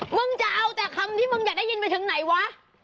มึงจะเอาแต่คำที่มึงอยากได้ยินไปถึงไหนวะ